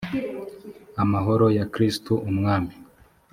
amahoro ya kristu umwami